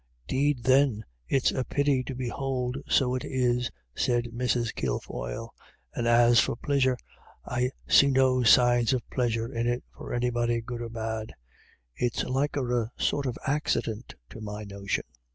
" 'Deed then, it's a pity to behould, so it is," said Mrs. Kilfoyle, " and as for plisure, I see no signs of plisure in it for anybody good or bad. It's liker a sort of accident to my notion.